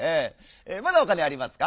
まだほかにありますか？」。